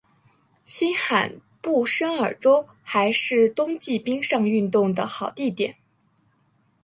新罕布什尔州还是冬季冰上运动的好地点。